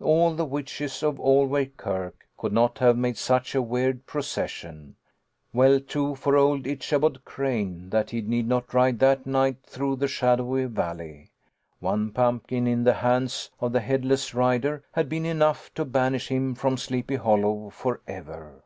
All the witches of Allway Kirk could not have made such a weird procession. Well, too, for old Ichabod Crane that he need not ride that night through the shadowy Valley. One pumpkin, in the hands of the headless rider, had been enough to banish him from Sleepy Hollow for ever.